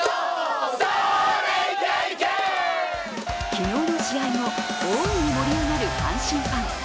昨日の試合後、大いに盛り上がる阪神ファン。